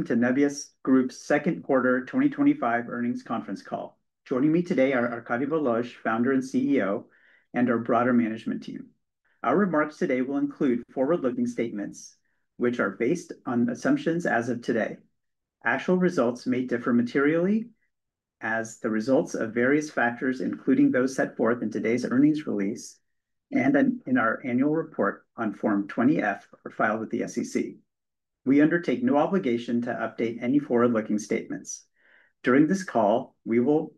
Welcome to Nebius Group's second quarter 2025 earnings conference call. Joining me today are Arkady Volozh, Founder and CEO, and our broader management team. Our remarks today will include forward-looking statements, which are based on assumptions as of today. Actual results may differ materially as the result of various factors, including those set forth in today's earnings release and in our annual report on Form 20-F, filed with the SEC. We undertake no obligation to update any forward-looking statements. During this call, we will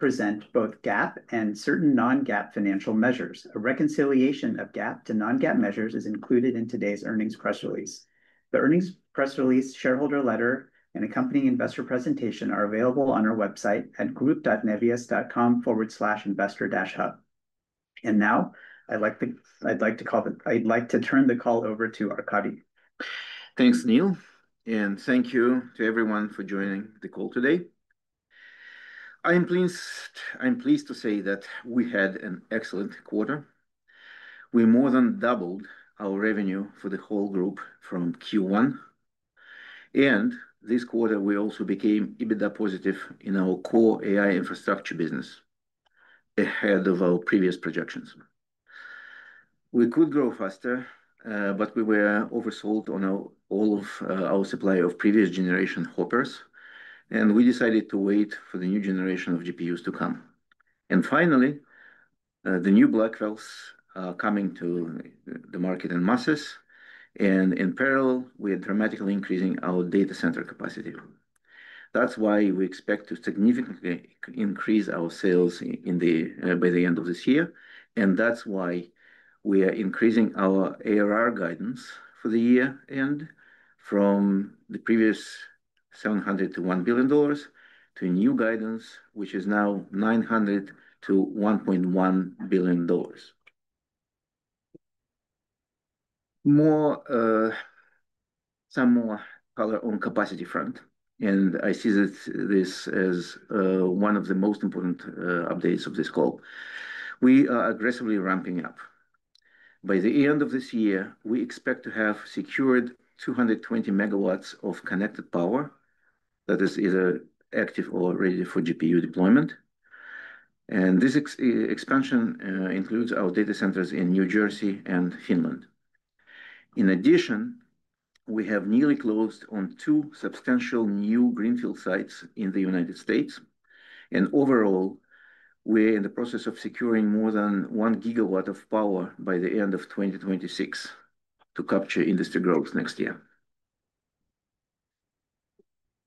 present both GAAP and certain non-GAAP financial measures. A reconciliation of GAAP to non-GAAP measures is included in today's earnings press release. The earnings press release, shareholder letter, and accompanying investor presentation are available on our website at group.nebius.com/investor-hub. I'd like to turn the call over to Arkady. Thanks, Neil, and thank you to everyone for joining the call today. I am pleased to say that we had an excellent quarter. We more than doubled our revenue for the whole group from Q1, and this quarter we also became EBITDA positive in our core AI infrastructure business, ahead of our previous projections. We could grow faster, but we were oversold on all of our supply of previous generation Hoppers, and we decided to wait for the new generation of GPUs to come. Finally, the new Blackwells are coming to the market in masses, and in parallel, we are dramatically increasing our data center capacity. That is why we expect to significantly increase our sales by the end of this year, and that is why we are increasing our ARR guidance for the year end from the previous $700 million to $1 billion to a new guidance, which is now $900 million to $1.1 billion. Some more color on the capacity front, and I see this as one of the most important updates of this call. We are aggressively ramping up. By the end of this year, we expect to have secured 220 MW of connected power that is either active or ready for GPU deployment, and this expansion includes our data centers in New Jersey and Finland. In addition, we have nearly closed on two substantial new greenfield sites in the United States, and overall, we are in the process of securing more than one gigawatt of power by the end of 2026 to capture industry growth next year.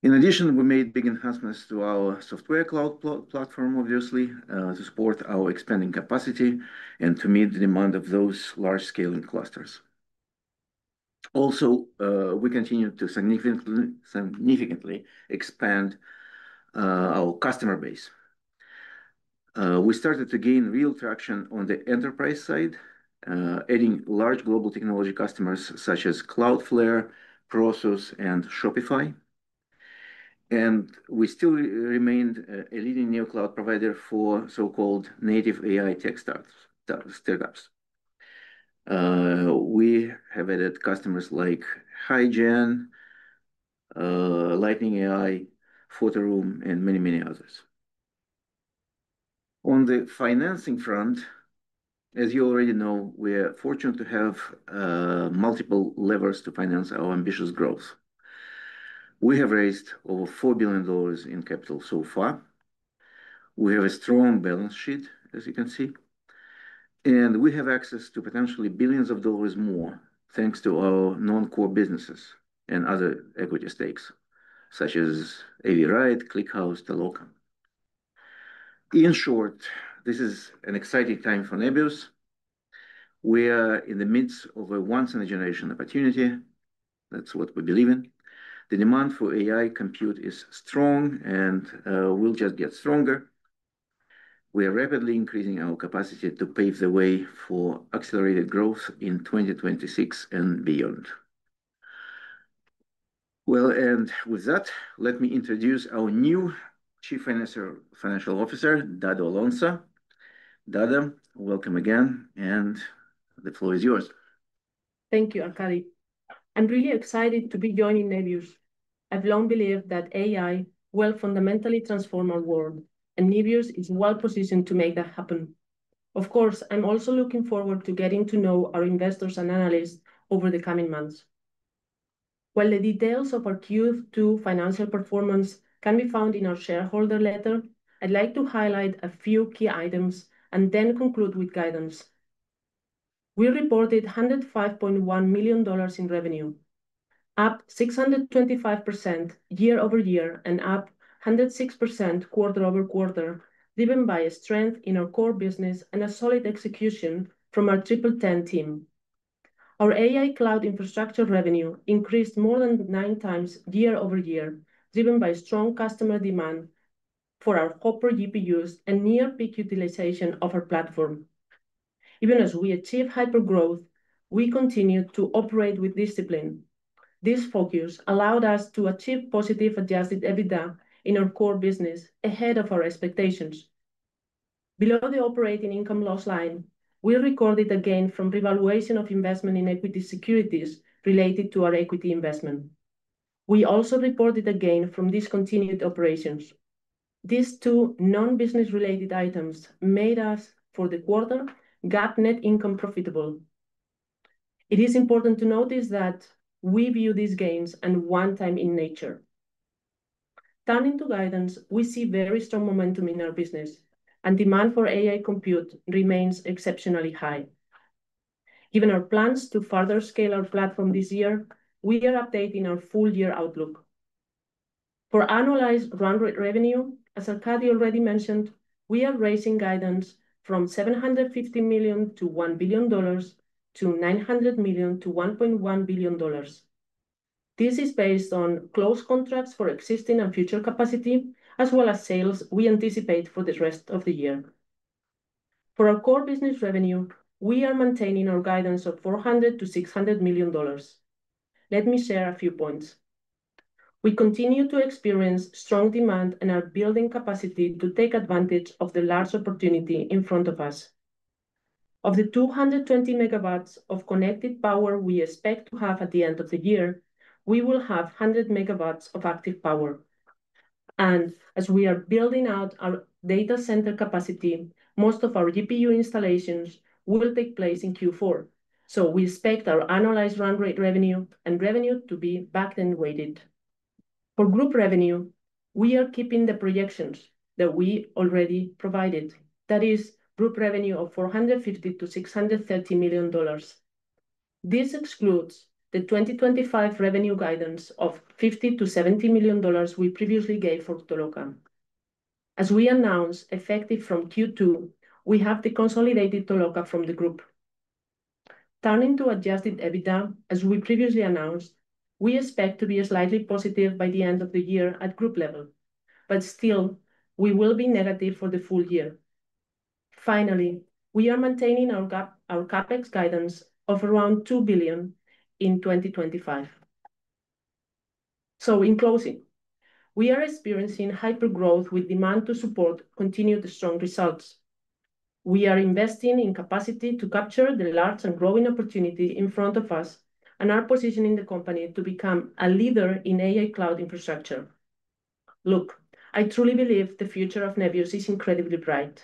In addition, we made big enhancements to our software cloud platform, obviously, to support our expanding capacity and to meet the demand of those large scaling clusters. Also, we continue to significantly expand our customer base. We started to gain real traction on the enterprise side, adding large global technology customers such as Cloudflare, Process and Shopify, and we still remain a leading new cloud provider for so-called native AI tech startups. We have added customers like HeyGen, Lightning AI, Photoroom, and many, many others. On the financing front, as you already know, we are fortunate to have multiple levers to finance our ambitious growth. We have raised over $4 billion in capital so far. We have a strong balance sheet, as you can see, and we have access to potentially billions of dollars more thanks to our non-core businesses and other equity stakes, such as Avride, Clickhouse, Toloka. In short, this is an exciting time for Nebius. We are in the midst of a once-in-a-generation opportunity. That is what we believe in. The demand for AI compute is strong and will just get stronger. We are rapidly increasing our capacity to pave the way for accelerated growth in 2026 and beyond. With that, let me introduce our new Chief Financial Officer, Dado Alonso. Dado, welcome again, and the floor is yours. Thank you, Arkady. I'm really excited to be joining Nebius. I've long believed that AI will fundamentally transform our world, and Nebius is well positioned to make that happen. Of course, I'm also looking forward to getting to know our investors and analysts over the coming months. While the details of our Q2 financial performance can be found in our shareholder letter, I'd like to highlight a few key items and then conclude with guidance. We reported $105.1 million in revenue, up 625% year-over-year, and up 106% quarter-over-quarter, driven by strength in our core business and solid execution from our TripleTen team. Our AI cloud infrastructure revenue increased more than nine times year-over-year, driven by strong customer demand for our copper GPUs and near peak utilization of our platform. Even as we achieve hypergrowth, we continue to operate with discipline. This focus allowed us to achieve positive adjusted EBITDA in our core business ahead of our expectations. Below the operating income loss line, we recorded a gain from revaluation of investment in equity securities related to our equity investment. We also reported a gain from discontinued operations. These two non-business related items made us, for the quarter, GAAP net income profitable. It is important to notice that we view these gains as one-time in nature. Turning to guidance, we see very strong momentum in our business, and demand for AI compute remains exceptionally high. Given our plans to further scale our platform this year, we are updating our full year outlook. For annualized run rate revenue, as Arkady already mentioned, we are raising guidance from $750 million-$1 billion to $900 million-$1.1 billion. This is based on closed contracts for existing and future capacity, as well as sales we anticipate for the rest of the year. For our core business revenue, we are maintaining our guidance of $400 million-$600 million. Let me share a few points. We continue to experience strong demand and are building capacity to take advantage of the large opportunity in front of us. Of the 220 MW of connected power we expect to have at the end of the year, we will have 100 MW of active power. As we are building out our data center capacity, most of our GPU installations will take place in Q4. We expect our annualized run rate revenue and revenue to be back then weighted. For group revenue, we are keeping the projections that we already provided. That is group revenue of $450 million-$630 million. This excludes the 2025 revenue guidance of $50 million-$70 million we previously gave for Toloka. As we announced, effective from Q2, we have deconsolidated Toloka from the group. Turning to adjusted EBITDA, as we previously announced, we expect to be slightly positive by the end of the year at group level, but still, we will be negative for the full year. Finally, we are maintaining our CapEx guidance of around $2 billion in 2025. In closing, we are experiencing hypergrowth with demand to support continued strong results. We are investing in capacity to capture the large and growing opportunity in front of us and are positioning the company to become a leader in AI cloud infrastructure. Look, I truly believe the future of Nebius is incredibly bright.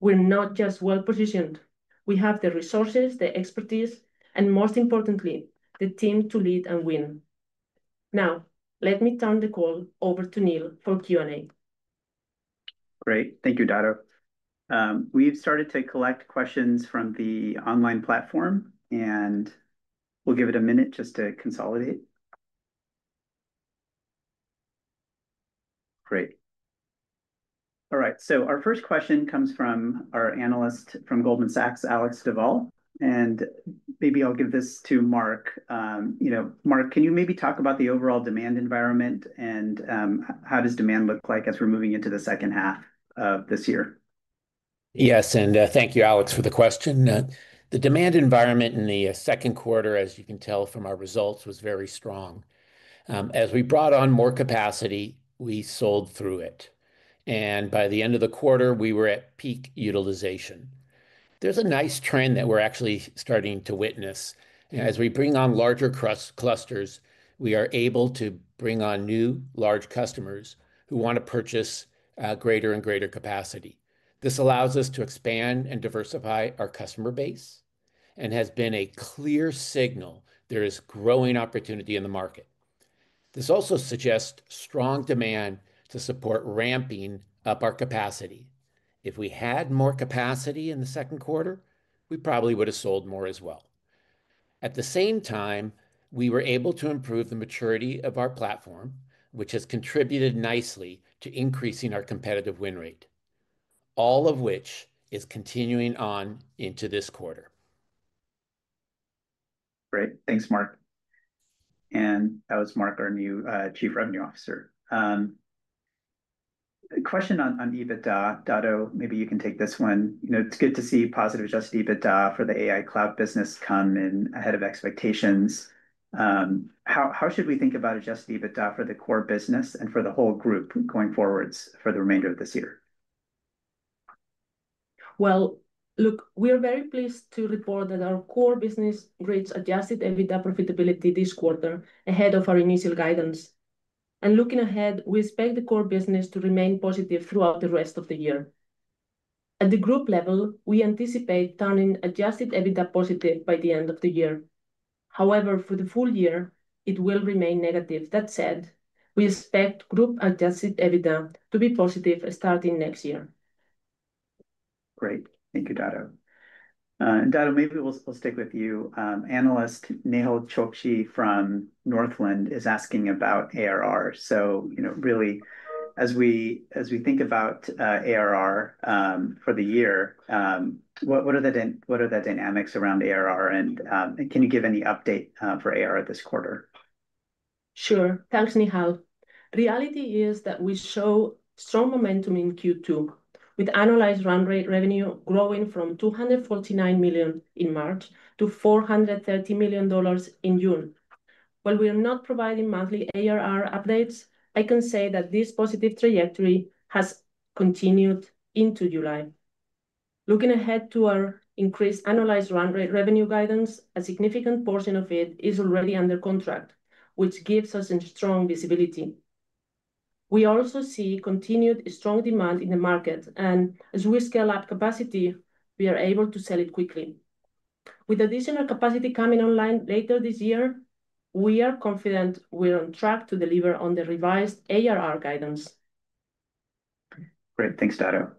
We're not just well positioned. We have the resources, the expertise, and most importantly, the team to lead and win. Now, let me turn the call over to Neil for Q&A. Great. Thank you, Dado. We've started to collect questions from the online platform, and we'll give it a minute just to consolidate. All right. Our first question comes from our analyst from Goldman Sachs, Alex DeVall. Maybe I'll give this to Marc. Marc, can you maybe talk about the overall demand environment and how does demand look like as we're moving into the second half of this year? Yes, and thank you, Alex, for the question. The demand environment in the second quarter, as you can tell from our results, was very strong. As we brought on more capacity, we sold through it. By the end of the quarter, we were at peak utilization. There's a nice trend that we're actually starting to witness. As we bring on larger clusters, we are able to bring on new large customers who want to purchase greater and greater capacity. This allows us to expand and diversify our customer base and has been a clear signal there is growing opportunity in the market. This also suggests strong demand to support ramping up our capacity. If we had more capacity in the second quarter, we probably would have sold more as well. At the same time, we were able to improve the maturity of our platform, which has contributed nicely to increasing our competitive win rate, all of which is continuing on into this quarter. Great. Thanks, Marc. That was Marc, our new Chief Revenue Officer. A question on EBITDA. Dado, maybe you can take this one. It's good to see positive adjusted EBITDA for the AI cloud business come in ahead of expectations. How should we think about adjusted EBITDA for the core business and for the whole group going forward for the remainder of this year? We are very pleased to report that our core business reached adjusted EBITDA profitability this quarter ahead of our initial guidance. Looking ahead, we expect the core business to remain positive throughout the rest of the year. At the group level, we anticipate turning adjusted EBITDA positive by the end of the year. However, for the full year, it will remain negative. That said, we expect group adjusted EBITDA to be positive starting next year. Great. Thank you, Dado. Dado, maybe we'll stick with you. Analyst Nehal Chokshi from Northland is asking about ARR. As we think about ARR for the year, what are the dynamics around ARR, and can you give any update for ARR this quarter? Sure. Thanks, Nehal. Reality is that we show strong momentum in Q2 with annualized run rate revenue growing from $249 million in March to $430 million in June. While we are not providing monthly ARR updates, I can say that this positive trajectory has continued into July. Looking ahead to our increased annualized run rate revenue guidance, a significant portion of it is already under contract, which gives us strong visibility. We also see continued strong demand in the market, and as we scale up capacity, we are able to sell it quickly. With additional capacity coming online later this year, we are confident we're on track to deliver on the revised ARR guidance. Great. Thanks, Dado.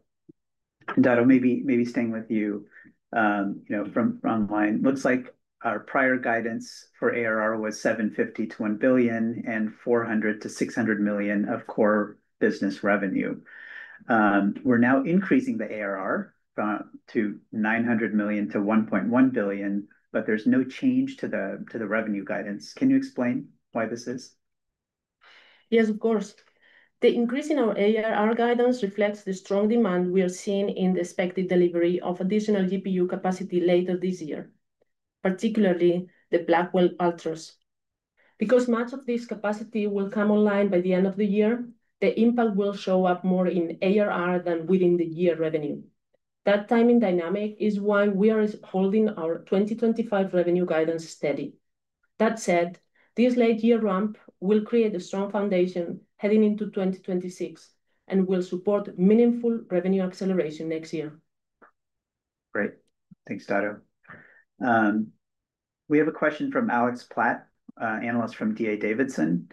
Dado, maybe staying with you, you know, from online. Looks like our prior guidance for ARR was $750 million-$1 billion and $400 million-$600 million of core business revenue. We're now increasing the ARR to $900 million-$1.1 billion, but there's no change to the revenue guidance. Can you explain why this is? Yes, of course. The increase in our ARR guidance reflects the strong demand we are seeing in the expected delivery of additional GPU capacity later this year, particularly the Blackwell Ultras. Because much of this capacity will come online by the end of the year, the impact will show up more in ARR than within the year revenue. That timing dynamic is why we are holding our 2025 revenue guidance steady. That said, this late-year ramp will create a strong foundation heading into 2026 and will support meaningful revenue acceleration next year. Great. Thanks, Dado. We have a question from Alex Platt, Analyst from D.A. Davidson.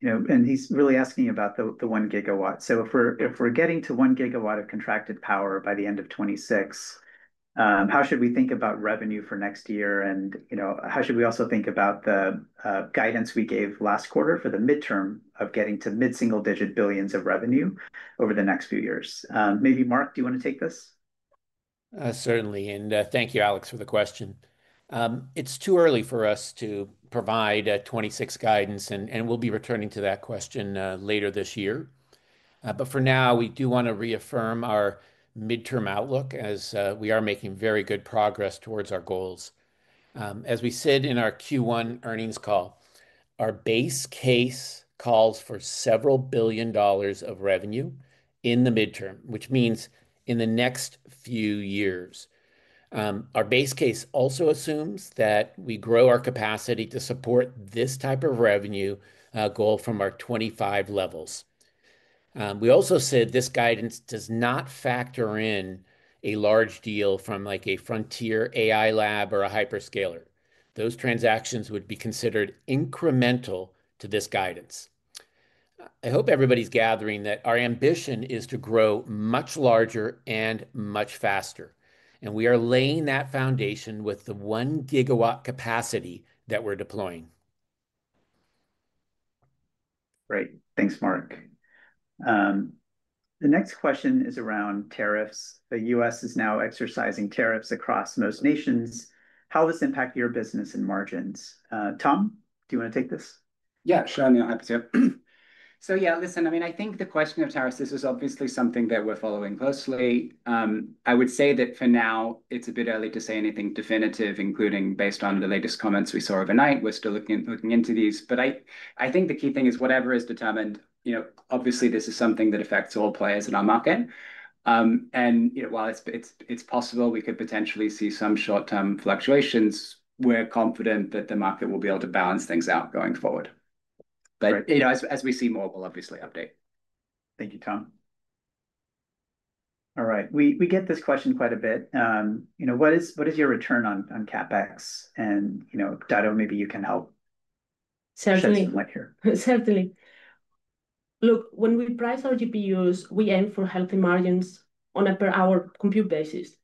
He's really asking about the one gigawatt. If we're getting to one gigawatt of contracted power by the end of 2026, how should we think about revenue for next year? How should we also think about the guidance we gave last quarter for the midterm of getting to mid-single-digit billions of revenue over the next few years? Maybe Marc, do you want to take this? Certainly, and thank you, Alex, for the question. It's too early for us to provide 2026 guidance, and we'll be returning to that question later this year. For now, we do want to reaffirm our midterm outlook as we are making very good progress towards our goals. As we said in our Q1 earnings call, our base case calls for several billion dollars of revenue in the midterm, which means in the next few years. Our base case also assumes that we grow our capacity to support this type of revenue goal from our 2025 levels. We also said this guidance does not factor in a large deal from, like, a frontier AI lab or a hyperscaler. Those transactions would be considered incremental to this guidance. I hope everybody's gathering that our ambition is to grow much larger and much faster, and we are laying that foundation with the one gigawatt capacity that we're deploying. Great. Thanks, Marc. The next question is around tariffs. The U.S. is now exercising tariffs across most nations. How will this impact your business and margins? Tom, do you want to take this? Yeah, sure, Neil. Happy to. I think the question of tariffs, this is obviously something that we're following closely. I would say that for now, it's a bit early to say anything definitive, including based on the latest comments we saw overnight. We're still looking into these. I think the key thing is whatever is determined, this is something that affects all players in our market. While it's possible we could potentially see some short-term fluctuations, we're confident that the market will be able to balance things out going forward. As we see more, we'll obviously update. Thank you, Tom. All right. We get this question quite a bit. You know, what is your return on CapEx? Dado, maybe you can help shed some light here. Certainly. Look, when we price our GPUs, we aim for healthy margins on a per-hour compute basis.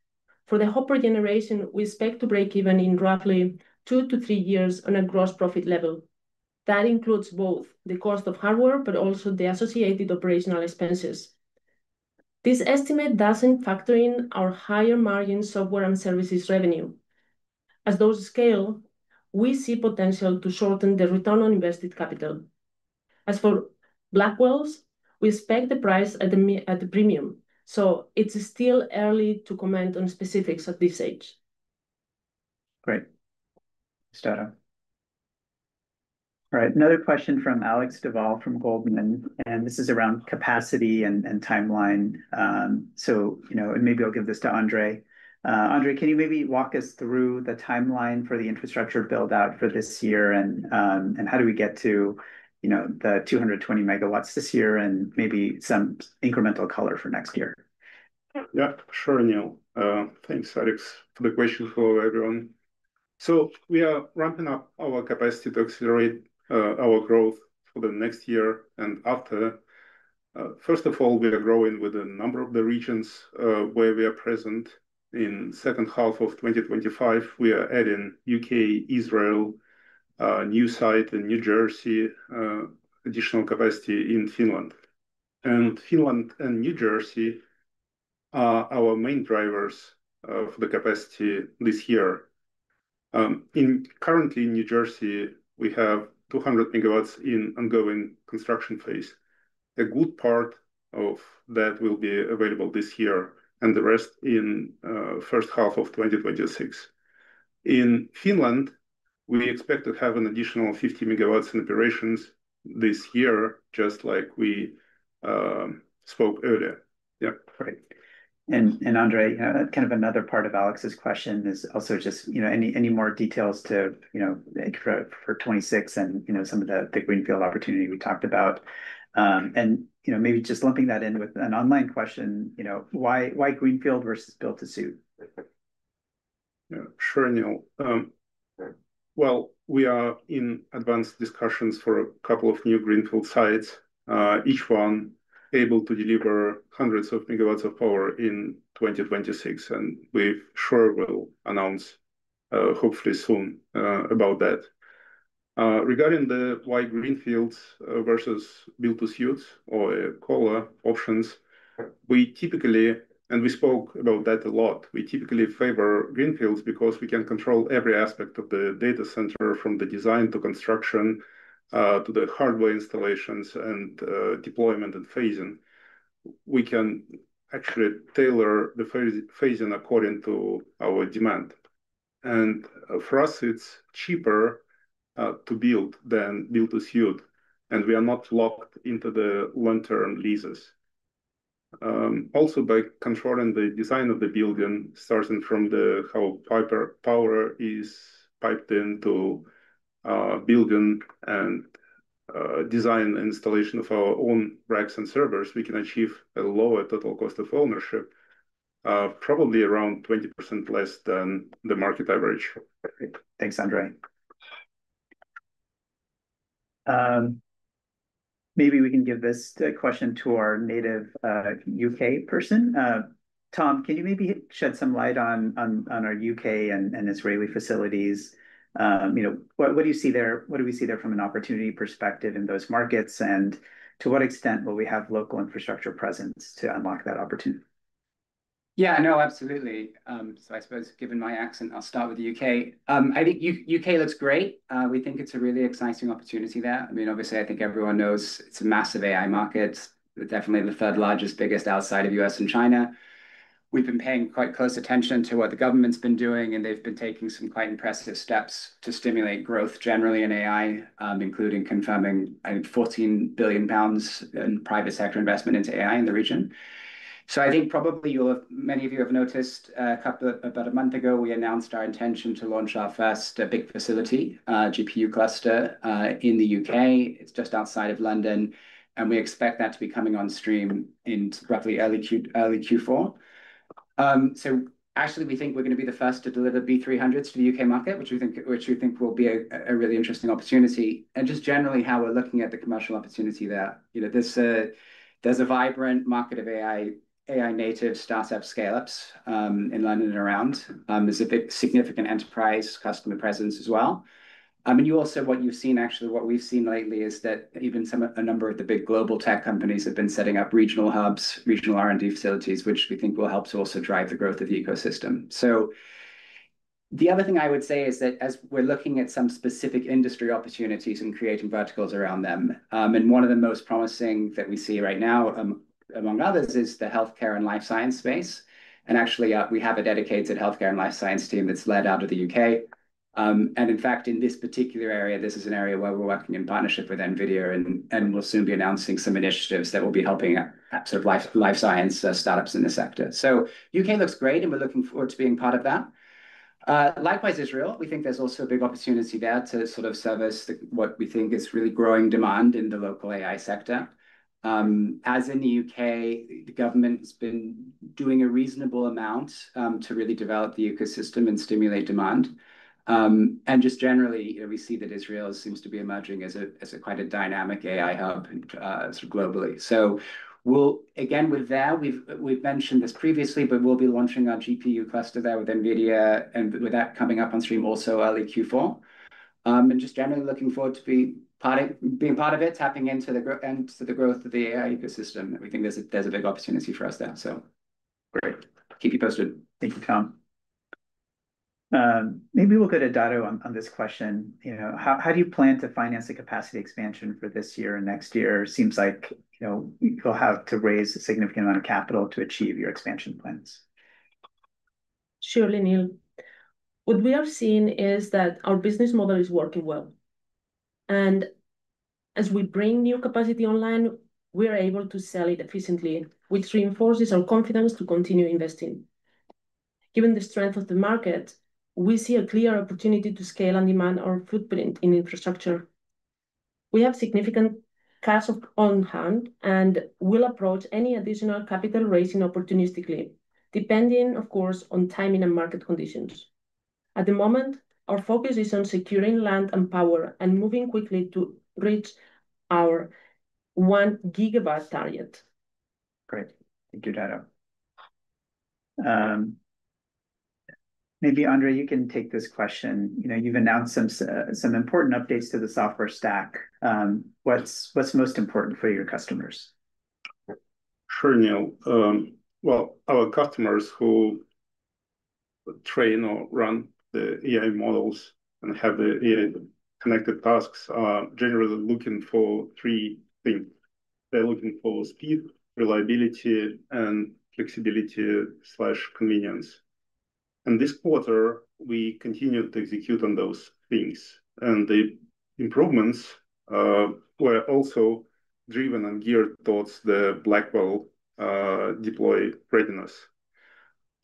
For the Hopper generation, we expect to break even in roughly two to three years on a gross profit level. That includes both the cost of hardware, but also the associated operational expenses. This estimate doesn't factor in our higher margin software and services revenue. As those scale, we see potential to shorten the return on invested capital. For Blackwells, we expect the price at the premium. It is still early to comment on specifics at this stage. Great. Thanks, Dado. All right. Another question from Alex DeVall from Goldman. This is around capacity and timeline. Maybe I'll give this to Andrey. Andrey, can you maybe walk us through the timeline for the infrastructure build-out for this year? How do we get to the 220 MW this year and maybe some incremental color for next year? Yeah, sure, Neil. Thanks, Alex. Good question for everyone. We are ramping up our capacity to accelerate our growth for the next year and after. First of all, we are growing with a number of the regions where we are present. In the second half of 2025, we are adding U.K., Israel, New South Wales, and New Jersey, with additional capacity in Finland. Finland and New Jersey are our main drivers of the capacity this year. Currently, in New Jersey, we have 200 MW in ongoing construction phase. A good part of that will be available this year, and the rest in the first half of 2026. In Finland, we expect to have an additional 50 MW in operations this year, just like we spoke earlier. Great. Andrey, that kind of another part of Alex's question is also just any more details to, you know, for 2026 and some of the greenfield opportunity we talked about. Maybe just lumping that in with an online question, why greenfield versus build-to-suit? Sure, Neil. We are in advanced discussions for a couple of new greenfield sites, each one able to deliver hundreds of megawatts of power in 2026. We will announce, hopefully soon, about that. Regarding the why greenfields versus build-to-suits or collar options, we typically, and we spoke about that a lot, we typically favor greenfields because we can control every aspect of the data center, from the design to construction, to the hardware installations and deployment and phasing. We can actually tailor the phasing according to our demand. For us, it's cheaper to build than build-to-suit. We are not locked into the long-term leases. Also, by controlling the design of the building, starting from how power is piped into the building and design and installation of our own racks and servers, we can achieve a lower total cost of ownership, probably around 20% less than the market average. Great. Thanks, Andrey. Maybe we can give this question to our native U.K. person. Tom, can you maybe shed some light on our U.K. and Israeli facilities? You know, what do you see there? What do we see there from an opportunity perspective in those markets? To what extent will we have local infrastructure presence to unlock that opportunity? Yeah, no, absolutely. I suppose given my accent, I'll start with the U.K. I think U.K. looks great. We think it's a really exciting opportunity there. Obviously, I think everyone knows it's a massive AI market, definitely the third largest, biggest outside of U.S. and China. We've been paying quite close attention to what the government's been doing, and they've been taking some quite impressive steps to stimulate growth generally in AI, including confirming, I think, 14 billion pounds in private sector investment into AI in the region. I think probably many of you have noticed about a month ago, we announced our intention to launch our first big facility, GPU cluster in the U.K. It's just outside of London, and we expect that to be coming on stream in roughly early Q4. We think we're going to be the first to deliver B300s to the U.K. market, which we think will be a really interesting opportunity. Just generally how we're looking at the commercial opportunity there, there's a vibrant market of AI-native startup scale-ups in London and around. There's a significant enterprise customer presence as well. Actually, what we've seen lately is that even a number of the big global tech companies have been setting up regional hubs, regional R&D facilities, which we think will help to also drive the growth of the ecosystem. The other thing I would say is that as we're looking at some specific industry opportunities and creating verticals around them, one of the most promising that we see right now among others is the healthcare and life science space. We have a dedicated healthcare and life science team that's led out of the U.K. In fact, in this particular area, this is an area where we're working in partnership with NVIDIA, and we'll soon be announcing some initiatives that will be helping sort of life science startups in the sector. U.K. looks great, and we're looking forward to being part of that. Likewise, Israel, we think there's also a big opportunity there to sort of service what we think is really growing demand in the local AI sector. As in the U.K., the government's been doing a reasonable amount to really develop the ecosystem and stimulate demand. Generally, we see that Israel seems to be emerging as quite a dynamic AI hub globally. We've mentioned this previously, but we'll be launching our GPU cluster there with NVIDIA, and with that coming up on stream also early Q4. Just generally looking forward to being part of it, tapping into the growth of the AI ecosystem. We think there's a big opportunity for us there. Great. Keep you posted. Thank you, Tom. Maybe we'll go to Dado on this question. How do you plan to finance the capacity expansion for this year and next year? Seems like you'll have to raise a significant amount of capital to achieve your expansion plans. Surely, Neil. What we have seen is that our business model is working well. As we bring new capacity online, we are able to sell it efficiently, which reinforces our confidence to continue investing. Given the strength of the market, we see a clear opportunity to scale and demand our footprint in infrastructure. We have significant cash on hand and will approach any additional capital raising opportunistically, depending, of course, on timing and market conditions. At the moment, our focus is on securing land and power and moving quickly to reach our one gigawatt target. Great. Thank you, Dado. Maybe Andrey, you can take this question. You've announced some important updates to the software stack. What's most important for your customers? Sure, Neil. Our customers who train or run the AI models and have the AI-connected tasks are generally looking for three things. They're looking for speed, reliability, and flexibility/convenience. This quarter, we continued to execute on those things. The improvements were also driven and geared towards the Blackwell deploy readiness.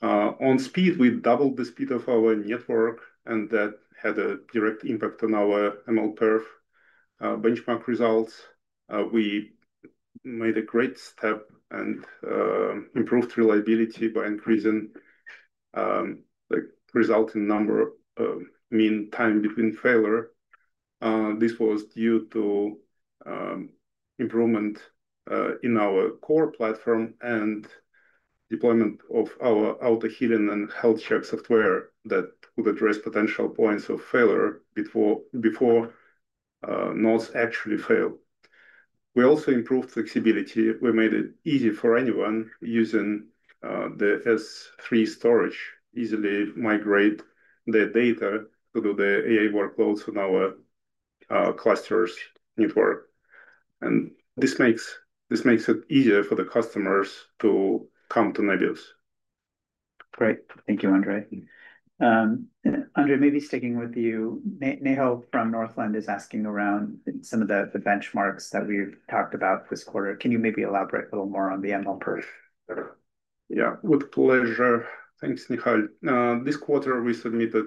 On speed, we doubled the speed of our network, and that had a direct impact on our MLPerf benchmark results. We made a great step and improved reliability by increasing the resulting number of mean time between failure. This was due to improvement in our core platform and deployment of our auto-healing and health check software that would address potential points of failure before nodes actually fail. We also improved flexibility. We made it easy for anyone using the S3 storage to easily migrate their data to do the AI workloads on our clusters' network. This makes it easier for the customers to come to Nebius. Great. Thank you, Andrey. Maybe sticking with you, Nehal from Northland is asking around some of the benchmarks that we've talked about this quarter. Can you maybe elaborate a little more on the MLPerf? Yeah, with pleasure. Thanks, Nehal. This quarter, we submitted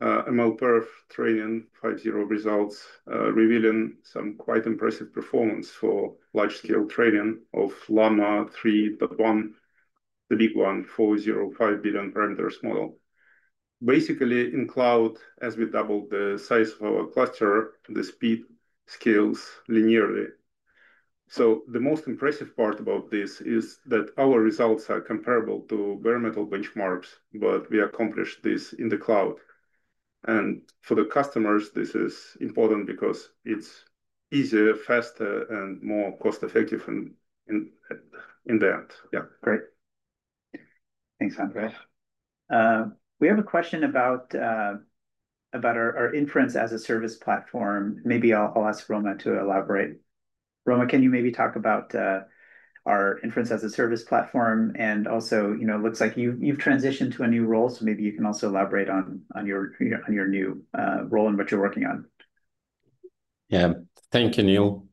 MLPerf Training 5.0 results, revealing some quite impressive performance for large-scale training of Llama 3.1, the big one, 4.05 billion parameters model. Basically, in cloud, as we doubled the size of our cluster, the speed scales linearly. The most impressive part about this is that our results are comparable to bare metal benchmarks, but we accomplish this in the cloud. For the customers, this is important because it's easier, faster, and more cost-effective in the end. Yeah, great. Thanks, Andrey. We have a question about our inference as a service platform. Maybe I'll ask Roma to elaborate. Roma, can you maybe talk about our inference as a service platform? It looks like you've transitioned to a new role, so maybe you can also elaborate on your new role and what you're working on. Thank you, Neil.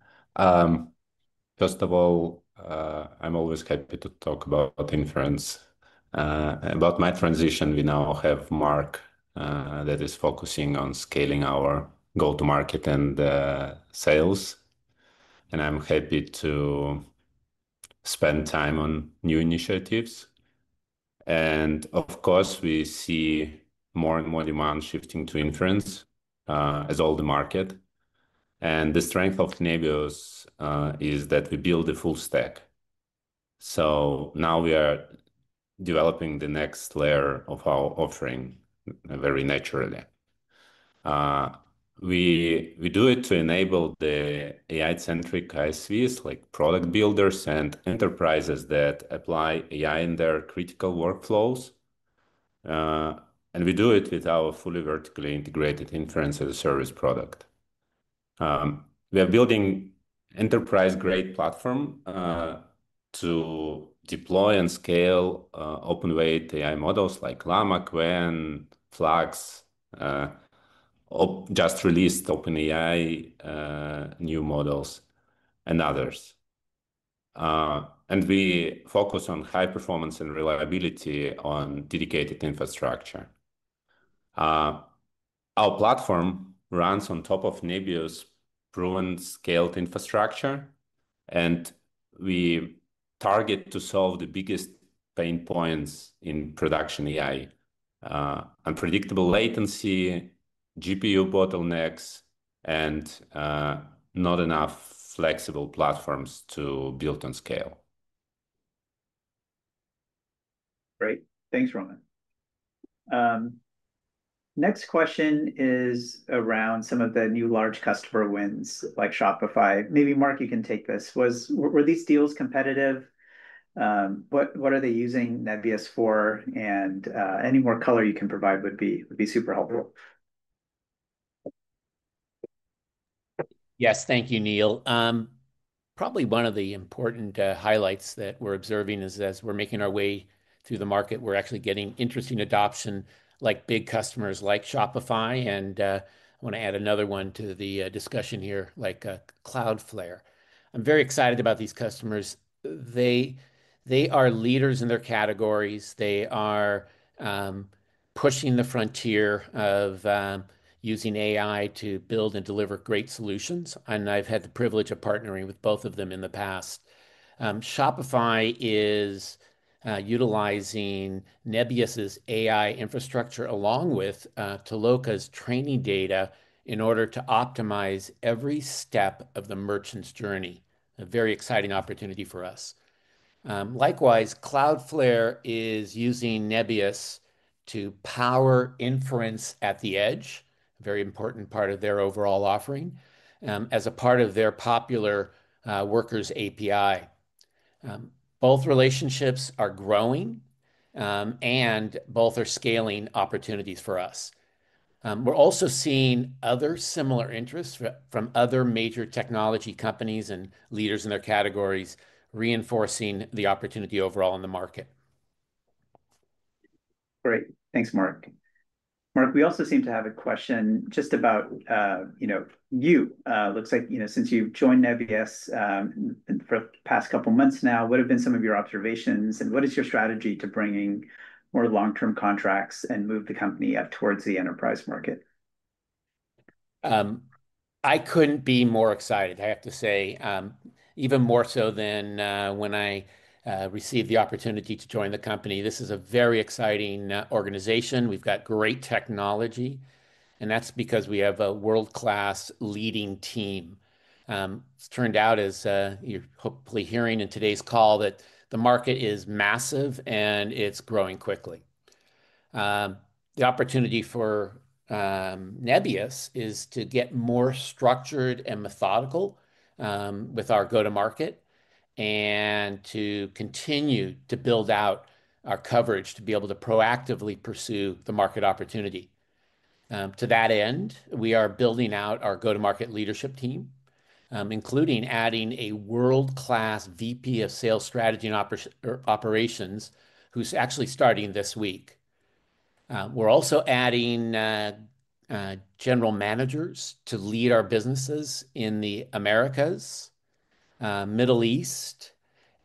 First of all, I'm always happy to talk about inference. About my transition, we now have Marc that is focusing on scaling our go-to-market and sales. I'm happy to spend time on new initiatives. Of course, we see more and more demand shifting to inference as all the market. The strength of Nebius is that we build a full stack. Now we are developing the next layer of our offering very naturally. We do it to enable the AI-centric ISVs, like product builders and enterprises that apply AI in their critical workflows. We do it with our fully vertically integrated inference as a service product. We are building an enterprise-grade platform to deploy and scale open weight AI models like Llama, Qwen, Flan, and just released OpenAI new models and others. We focus on high performance and reliability on dedicated infrastructure. Our platform runs on top of Nebius's proven scaled infrastructure, and we target to solve the biggest pain points in production AI: unpredictable latency, GPU bottlenecks, and not enough flexible platforms to build on scale. Great. Thanks, Roma. Next question is around some of the new large customer wins like Shopify. Maybe Marc, you can take this. Were these deals competitive? What are they using Nebius for? Any more color you can provide would be super helpful. Yes, thank you, Neil. Probably one of the important highlights that we're observing is as we're making our way to the market, we're actually getting interesting adoption like big customers like Shopify. I want to add another one to the discussion here, like Cloudflare. I'm very excited about these customers. They are leaders in their categories. They are pushing the frontier of using AI to build and deliver great solutions. I've had the privilege of partnering with both of them in the past. Shopify is utilizing Nebius's AI infrastructure along with Toloka's training data in order to optimize every step of the merchant's journey, a very exciting opportunity for us. Likewise, Cloudflare is using Nebius to power inference at the edge, a very important part of their overall offering, as a part of their popular Workers API. Both relationships are growing, and both are scaling opportunities for us. We're also seeing other similar interests from other major technology companies and leaders in their categories, reinforcing the opportunity overall in the market. Great. Thanks, Marc. Marc, we also seem to have a question just about, you know, you. Looks like, you know, since you've joined Nebius for the past couple of months now, what have been some of your observations? What is your strategy to bring in more long-term contracts and move the company up towards the enterprise market? I couldn't be more excited, I have to say, even more so than when I received the opportunity to join the company. This is a very exciting organization. We've got great technology. That's because we have a world-class leading team. It's turned out, as you're hopefully hearing in today's call, that the market is massive and it's growing quickly. The opportunity for Nebius is to get more structured and methodical with our go-to-market and to continue to build out our coverage to be able to proactively pursue the market opportunity. To that end, we are building out our go-to-market leadership team, including adding a world-class VP of Sales Strategy and Operations who's actually starting this week. We're also adding General Managers to lead our businesses in the Americas, Middle East,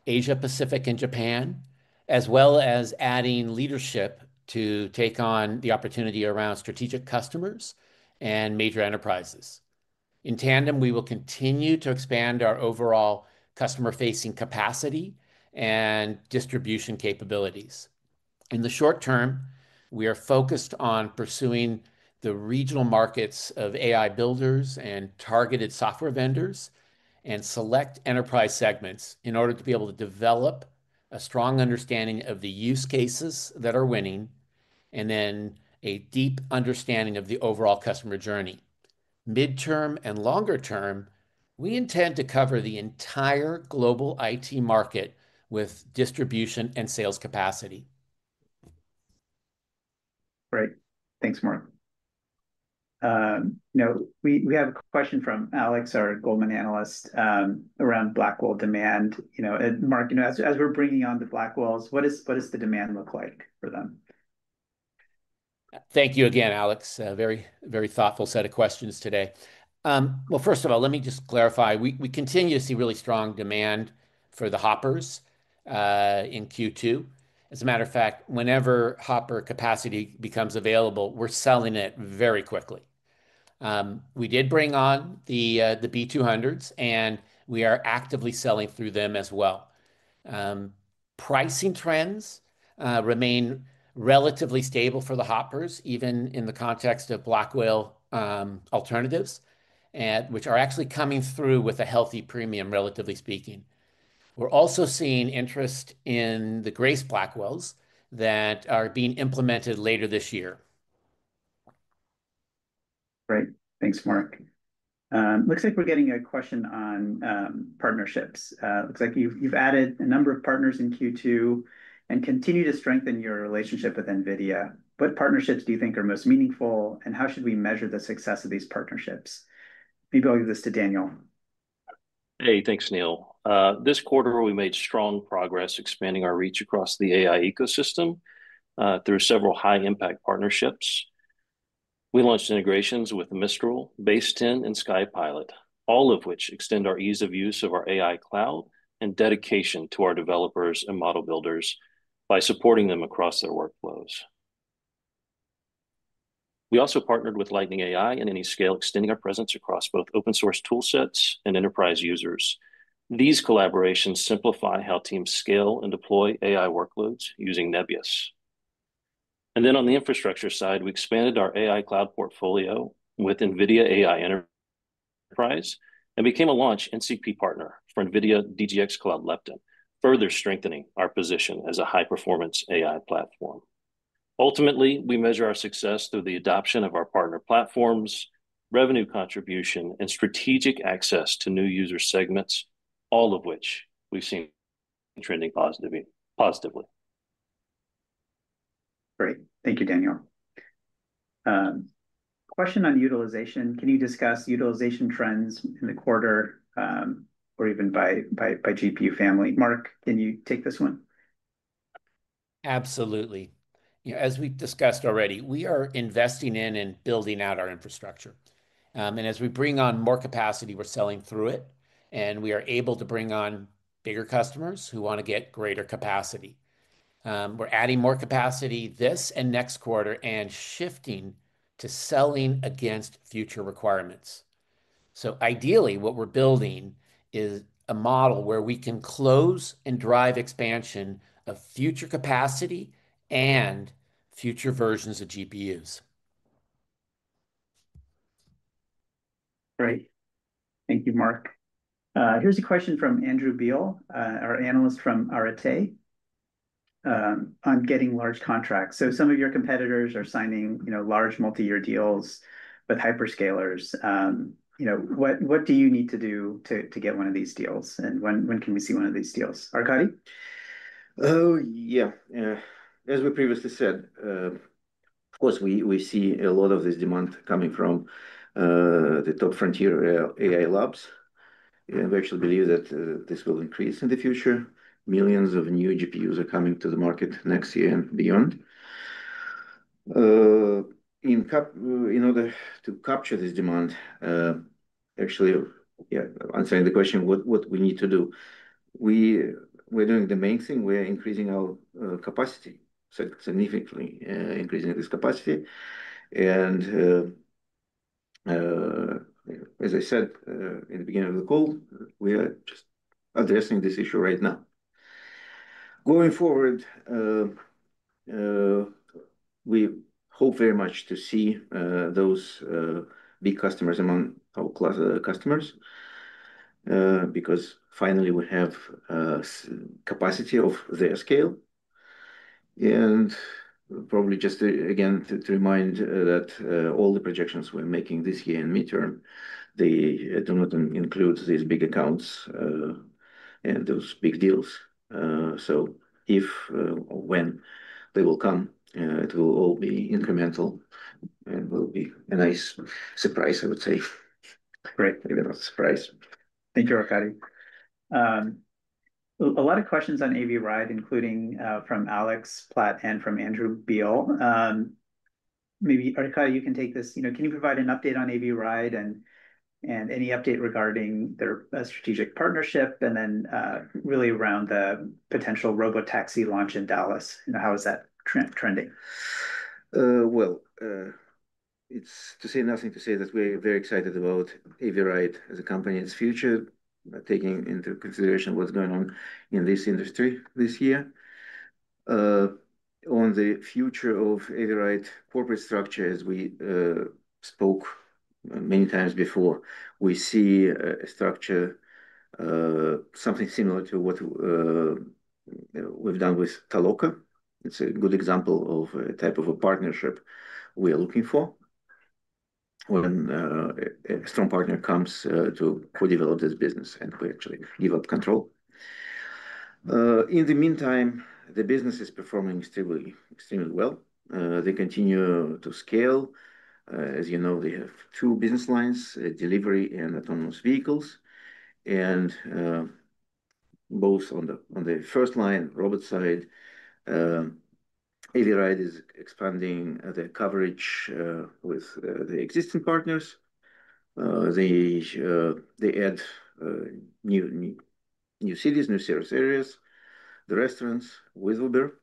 Asia-Pacific, and Japan, as well as adding leadership to take on the opportunity around strategic customers and major enterprises. In tandem, we will continue to expand our overall customer-facing capacity and distribution capabilities. In the short term, we are focused on pursuing the regional markets of AI builders and targeted software vendors and select enterprise segments in order to be able to develop a strong understanding of the use cases that are winning and then a deep understanding of the overall customer journey. Midterm and longer term, we intend to cover the entire global IT market with distribution and sales capacity. Great. Thanks, Marc. Now, we have a question from Alex, our Goldman analyst, around Blackwell demand. Marc, as we're bringing on the Blackwells, what does the demand look like for them? Thank you again, Alex. Very, very thoughtful set of questions today. First of all, let me just clarify. We continue to see really strong demand for the Hoppers in Q2. As a matter of fact, whenever Hopper capacity becomes available, we're selling it very quickly. We did bring on the B200s, and we are actively selling through them as well. Pricing trends remain relatively stable for the Hoppers, even in the context of Blackwell alternatives, which are actually coming through with a healthy premium, relatively speaking. We're also seeing interest in the Grace Blackwells that are being implemented later this year. Great. Thanks, Marc. Looks like we're getting a question on partnerships. Looks like you've added a number of partners in Q2 and continue to strengthen your relationship with NVIDIA. What partnerships do you think are most meaningful, and how should we measure the success of these partnerships? Maybe I'll give this to Daniel. Hey, thanks, Neil. This quarter, we made strong progress expanding our reach across the AI ecosystem through several high-impact partnerships. We launched integrations with Mistral, Baseten, and SkyPilot, all of which extend our ease of use of our AI cloud and dedication to our developers and model builders by supporting them across their workflows. We also partnered with Lightning AI and Anyscale, extending our presence across both open source tool sets and enterprise users. These collaborations simplify how teams scale and deploy AI workloads using Nebius. On the infrastructure side, we expanded our AI cloud portfolio with NVIDIA AI Enterprise and became a launch NCP partner for NVIDIA DGX Cloud Lepton, further strengthening our position as a high-performance AI platform. Ultimately, we measure our success through the adoption of our partner platforms, revenue contribution, and strategic access to new user segments, all of which we've seen trending positively. Great. Thank you, Daniel. Question on utilization. Can you discuss utilization trends in the quarter or even by GPU family? Marc, can you take this one? Absolutely. As we discussed already, we are investing in and building out our infrastructure. As we bring on more capacity, we're selling through it. We are able to bring on bigger customers who want to get greater capacity. We're adding more capacity this and next quarter and shifting to selling against future requirements. Ideally, what we're building is a model where we can close and drive expansion of future capacity and future versions of GPUs. Great. Thank you, Marc. Here's a question from Andrew Beal, our analyst from Arote, on getting large contracts. Some of your competitors are signing large multi-year deals with hyperscalers. What do you need to do to get one of these deals? When can we see one of these deals? Arkady? Oh, yeah. As we previously said, of course, we see a lot of this demand coming from the top frontier AI labs. We actually believe that this will increase in the future. Millions of new GPUs are coming to the market next year and beyond. In order to capture this demand, actually, yeah, answering the question, what we need to do, we're doing the main thing. We're increasing our capacity significantly, increasing this capacity. As I said in the beginning of the call, we are addressing this issue right now. Going forward, we hope very much to see those big customers among our customers because finally, we have the capacity of their scale. Probably just again to remind that all the projections we're making this year in midterm, they do not include these big accounts and those big deals. If or when they will come, it will all be incremental and will be a nice surprise, I would say. Great. Maybe not a surprise. Thank you, Arkady. A lot of questions on Avride, including from Alex Platt and from Andrew Beal. Maybe, Arkady, you can take this. Can you provide an update on Avride and any update regarding their strategic partnership, and then really around the potential robotaxi launch in Dallas? How is that trending? It is nothing to say that we're very excited about Avride as a company's future, taking into consideration what's going on in this industry this year. On the future of Avride corporate structure, as we spoke many times before, we see a structure, something similar to what we've done with Toloka. It's a good example of a type of a partnership we are looking for when a strong partner comes to co-develop this business and we actually give up control. In the meantime, the business is performing extremely well. They continue to scale. As you know, they have two business lines: delivery and autonomous vehicles. Both on the first line, robot side, Avride is expanding the coverage with the existing partners. They add new cities, new service areas, the restaurants, Whizzle Bear.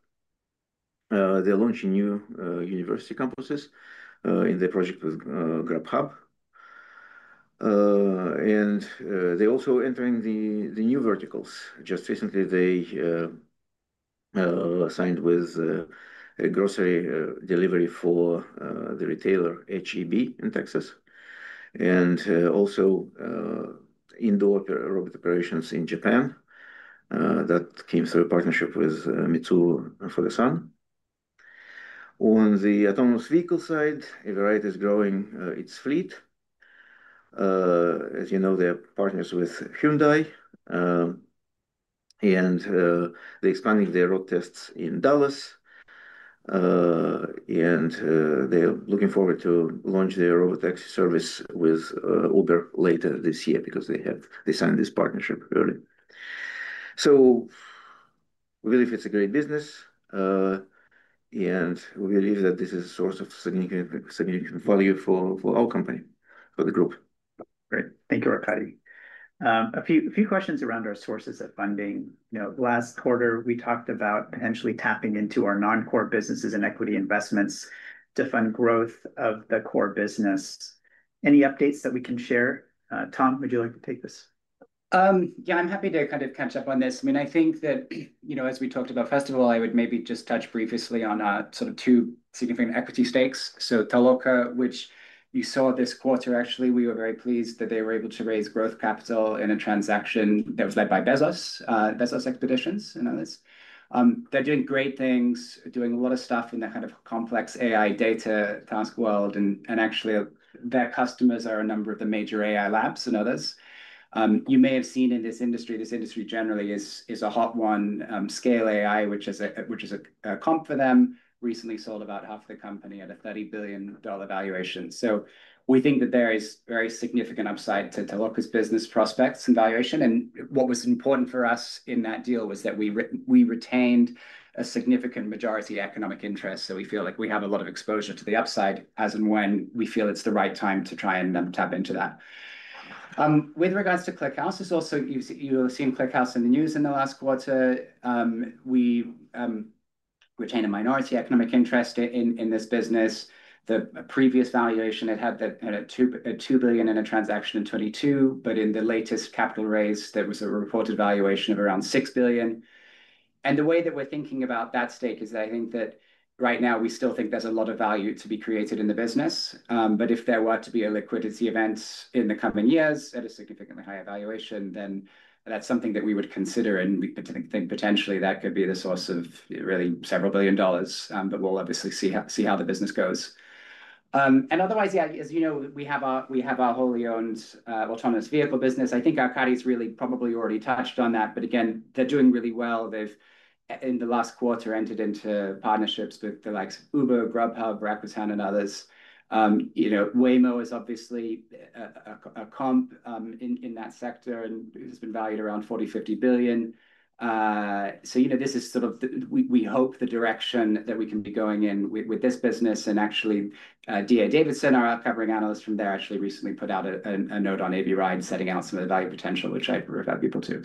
They're launching new university campuses in the project with Grubhub. They're also entering new verticals. Just recently, they signed with a grocery delivery for the retailer HEB in Texas and also indoor robot operations in Japan that came through a partnership with Mitsui for the Sun. On the autonomous vehicle side, Avride is growing its fleet. As you know, they're partners with Hyundai, and they're expanding their road tests in Dallas. They're looking forward to launching their robotaxi service with Uber later this year because they signed this partnership early. We believe it's a great business, and we believe that this is a source of significant value for our company, for the group. Great. Thank you, Arkady. A few questions around our sources of funding. Last quarter, we talked about potentially tapping into our non-core businesses and equity investments to fund growth of the core business. Any updates that we can share? Tom, would you like to take this? Yeah, I'm happy to kind of catch up on this. I mean, I think that, you know, as we talked about, first of all, I would maybe just touch briefly on sort of two significant equity stakes. So Toloka, which you saw this quarter, actually, we were very pleased that they were able to raise growth capital in a transaction that was led by Bezos Expeditions and others. They're doing great things, doing a lot of stuff in the kind of complex AI data task world. Actually, their customers are a number of the major AI labs and others. You may have seen in this industry, this industry generally is a hot one, Scale AI, which is a comp for them, recently sold about half the company at a $30 billion valuation. We think that there is very significant upside to Toloka's business prospects and valuation. What was important for us in that deal was that we retained a significant majority economic interest. We feel like we have a lot of exposure to the upside as and when we feel it's the right time to try and tap into that. With regards to ClickHouse, you've seen ClickHouse in the news in the last quarter. We retain a minority economic interest in this business. The previous valuation, it had a $2 billion in a transaction in 2022, but in the latest capital raise, there was a reported valuation of around $6 billion. The way that we're thinking about that stake is that I think that right now we still think there's a lot of value to be created in the business. If there were to be a liquidity event in the coming years at a significantly higher valuation, then that's something that we would consider. We think potentially that could be the source of really several billion dollars, but we'll obviously see how the business goes. As you know, we have our wholly owned autonomous vehicle business. I think Arkady's really probably already touched on that, but again, they're doing really well. They've, in the last quarter, entered into partnerships with the likes of Uber, Grubhub, Replica, and others. Waymo is obviously a comp in that sector and has been valued around $40 billion-$50 billion. This is sort of, we hope the direction that we can be going in with this business. D.A. Davidson, our upcoming analyst from there, actually recently put out a note on Avride setting out some of the value potential, which I've referred people to.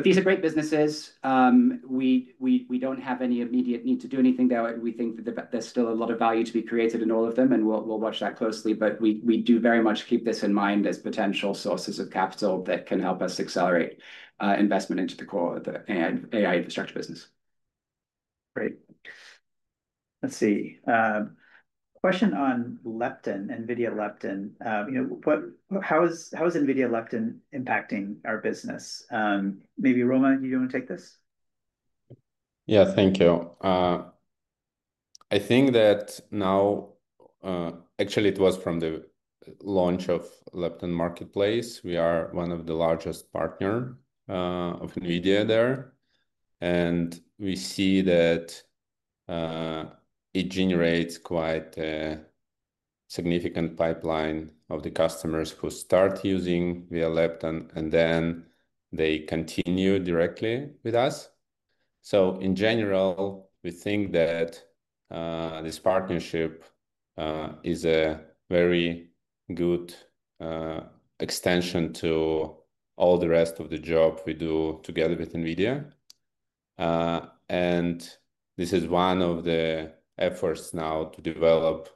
These are great businesses. We don't have any immediate need to do anything, though. We think that there's still a lot of value to be created in all of them, and we'll watch that closely. We do very much keep this in mind as potential sources of capital that can help us accelerate investment into the core and AI infrastructure business. Great. Let's see. Question on Lepton, NVIDIA Lepton. You know, how is NVIDIA Lepton impacting our business? Maybe Roma, you want to take this? Thank you. I think that now, actually, it was from the launch of Lepton Marketplace. We are one of the largest partners of NVIDIA there, and we see that it generates quite a significant pipeline of the customers who start using via Lepton and then they continue directly with us. In general, we think that this partnership is a very good extension to all the rest of the job we do together with NVIDIA. This is one of the efforts now to develop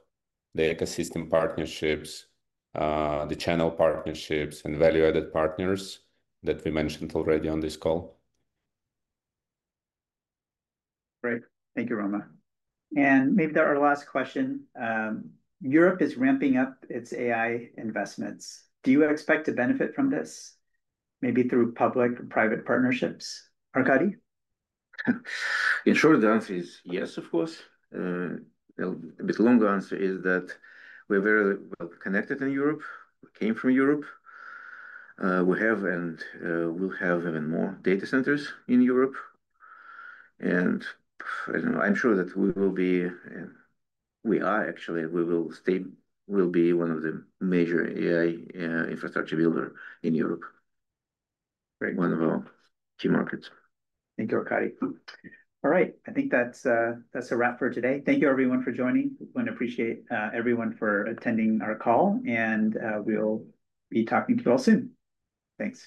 the ecosystem partnerships, the channel partnerships, and value-added partners that we mentioned already on this call. Great. Thank you, Roma. Maybe our last question. Europe is ramping up its AI investments. Do you expect to benefit from this? Maybe through public or private partnerships? Arkady? In short, the answer is yes, of course. A bit longer answer is that we're very well connected in Europe. We came from Europe. We have and will have even more data centers in Europe. I'm sure that we will be, and we are actually, and we will stay, we'll be one of the major AI infrastructure builders in Europe. Great. One of our key markets. Thank you, Arkady. All right, I think that's a wrap for today. Thank you, everyone, for joining. I want to appreciate everyone for attending our call, and we'll be talking to you all soon. Thanks.